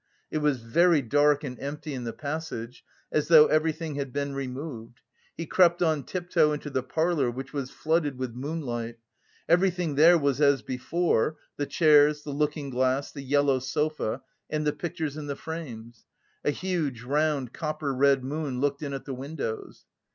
It was very dark and empty in the passage, as though everything had been removed; he crept on tiptoe into the parlour which was flooded with moonlight. Everything there was as before, the chairs, the looking glass, the yellow sofa and the pictures in the frames. A huge, round, copper red moon looked in at the windows.